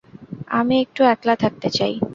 আমি একটু একলা থাকতে চাই।